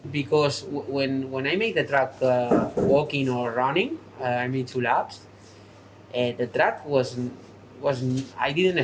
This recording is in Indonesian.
pembalap ini berjalan atau berjalan saya berpikir dua jam